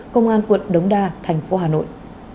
công an quận đống đa thành phố hà nội